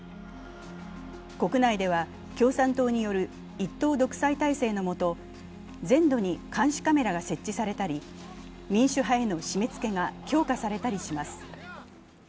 国内では共産党による一党独裁体制の下、全土に監視カメラが設置されたり民主派への締めつけが強化されたりします。